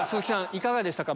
いかがでしたか？